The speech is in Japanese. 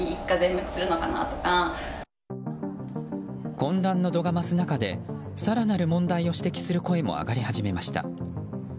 混乱の度が増す中で更なる問題を指摘する声も上がり始めました。